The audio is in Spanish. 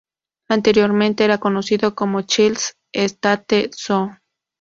Anteriormente era conocido como "Child's Estate Zoo".